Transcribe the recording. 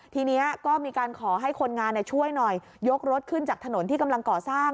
ทีนี้ก็มีการขอให้คนงานช่วยหน่อยยกรถขึ้นจากถนนที่กำลังก่อสร้าง